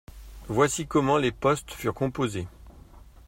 Voici comment les postes furent composés.